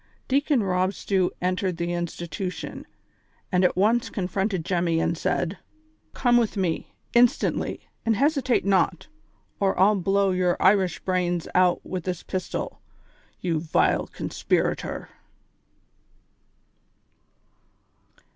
Deacon Rob Stew entered tlie institution, and at once confronted .Temmy, and said : "Come with me, instantly, and hesitate not, or 1*11 blow your Irish brains out with this pistol, you vile conspirator